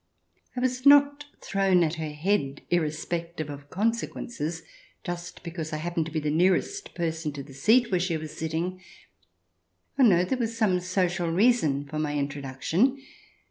I was not thrown at her head, irrespec tive of consequences, just because I happened to be the nearest person to the seat where she was sitting ; oh no, there was some social reason for my introduction.